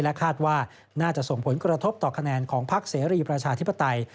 คาดว่าน่าจะส่งผลกระทบต่อคะแนนของพักเสรีประชาธิปไตย